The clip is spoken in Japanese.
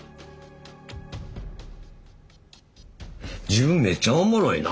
自分めっちゃおもろいな。